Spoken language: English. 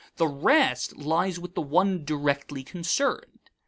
The rest lies with the one directly concerned.